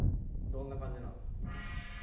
どんな感じなのか。